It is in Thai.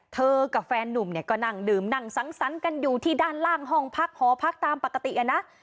กับแฟนนุ่มเนี่ยก็นั่งดื่มนั่งสังสรรค์กันอยู่ที่ด้านล่างห้องพักหอพักตามปกตินะ